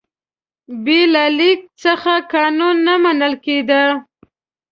بې له لیک څخه قانون نه منل کېده.